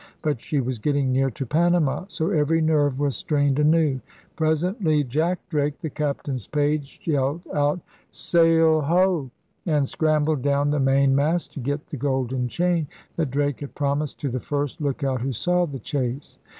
But she was getting near to Panama; so every nerve was strained anew. Presently Jack Drake, the Captain's page, yelled out Sail ho! and scrambled down the mainmast to get the golden chain that Drake had promised to the first lookout who saw the chase.